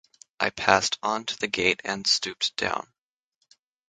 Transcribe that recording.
I passed on to the gate and stooped down.